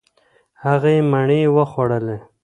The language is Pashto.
هغې مڼې وخوړلې.